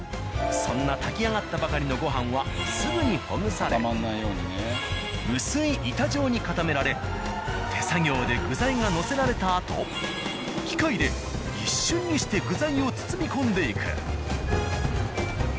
そんな炊き上がったばかりのご飯はすぐにほぐされ薄い板状に固められ手作業で具材がのせられたあと機械で一瞬にして具材を包み込んでいく。